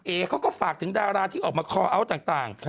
เขาก็ฝากถึงดาราที่ออกมาคอเอาท์ต่าง